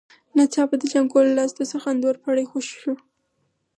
ناڅاپه د جانکو له لاسه د سخوندر پړی خوشی شو.